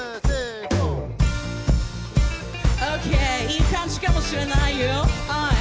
いい感じかもしれないよ。